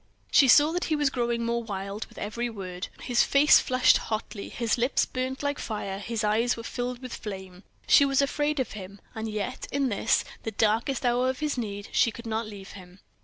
She saw that he was growing more wild with every word: his face flushed hotly, his lips burned like fire, his eyes were filled with flame. She was afraid of him; and yet in this, the darkest hour of his need, she could not leave him.